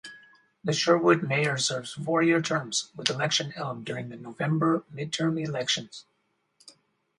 The Sherwood Mayor serves four-year terms, with election held during the November midterm elections.